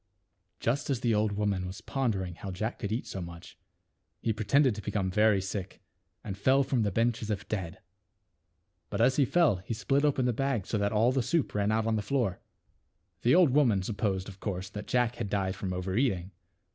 Just as the old woman was Jj wondering how Jack could eat so much, he pretended to become very sick and fell from the bench as if dead. But as he fell he slit open the bag so that all the soup ran out on the floor. The old woman supposed of course that Jack had died from over eating.